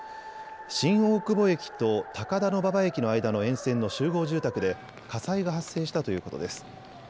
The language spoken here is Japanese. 新大久保駅と高田馬場駅の間の沿線の集合住宅で火災が発生したということです。